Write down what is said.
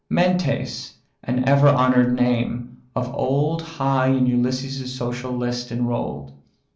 Mentes, an ever honour'd name, of old High in Ulysses' social list enroll'd."